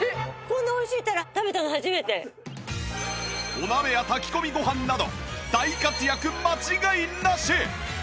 お鍋や炊き込みご飯など大活躍間違いなし！